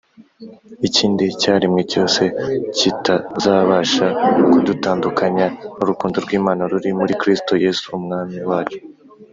ikindi cyaremwe cyose, kitazabasha kudutandukanya n'urukundo rw'Imana ruri muri Kristo Yesu Umwami wacu